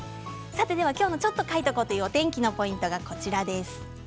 今日の「ちょっと書いとこ！」という、お天気のポイントはこちらです。